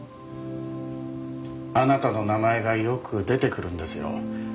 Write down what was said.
あなたの名前がよく出てくるんですよ。